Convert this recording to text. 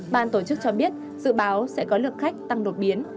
ban tổ chức cho biết dự báo sẽ có lượng khách tăng đột biến